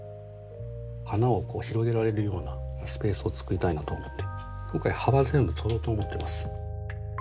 花を広げられるようなスペースをつくりたいなと思って今回葉は全部取ろうと思ってます。